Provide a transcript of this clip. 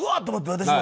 私も。